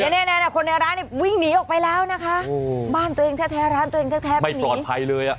คนในร้านวิ่งหนีออกไปแล้วนะคะบ้านตัวเองแท้ร้านตัวเองแท้ไม่ปลอดภัยเลยอ่ะ